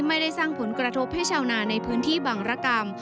ไม่ได้สร้างผลกระทบให้ชาวนาในพื้นที่บังรกรรม